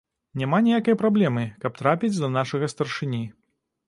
Няма ніякай праблемы, каб трапіць да нашага старшыні.